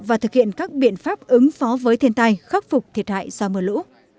và thực hiện các biện pháp ứng phó với thiên tai khắc phục thiệt hại do mưa lũ